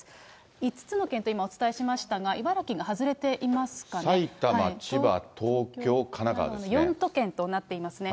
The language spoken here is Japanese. ５つの県と今、お伝えしましたが、埼玉、千葉、東京、神奈川で４都県となっていますね。